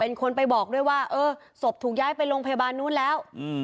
เป็นคนไปบอกด้วยว่าเออศพถูกย้ายไปโรงพยาบาลนู้นแล้ว